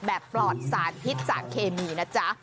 ปลอดสารพิษสารเคมีนะจ๊ะ